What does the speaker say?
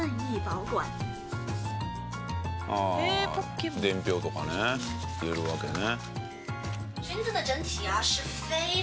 ああ伝票とかね入れるわけね。